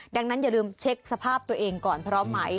ดังนั้นอย่าลืมเช็คสภาพตัวเองก่อนพร้อมไหม